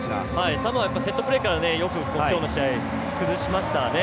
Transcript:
サモアはセットプレーからよく、今日の試合、崩しました。